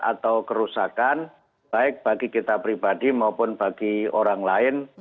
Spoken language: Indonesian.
atau kerusakan baik bagi kita pribadi maupun bagi orang lain